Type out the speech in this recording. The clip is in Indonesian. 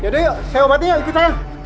ya udah yuk saya obatinya ikut saya